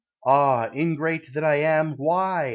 Ah, ingrate that I am, Why?